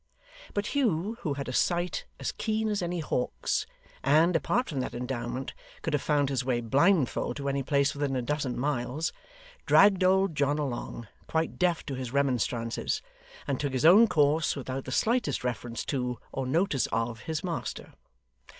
But Hugh, who had a sight as keen as any hawk's, and, apart from that endowment, could have found his way blindfold to any place within a dozen miles, dragged old John along, quite deaf to his remonstrances, and took his own course without the slightest reference to, or notice of, his master.